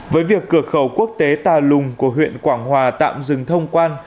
với việc cửa khẩu quốc tế tà lùng của huyện quảng hòa tạm dừng thông quan